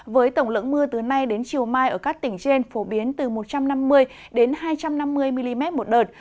với tổng lượng mưa từ nay đến chiều mai ở các tỉnh trên phổ biến từ một trăm năm mươi hai trăm năm mươi mm một đợt